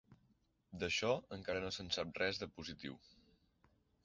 D'això, encara no se'n sap res de positiu.